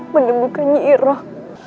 menemukan nyi iroh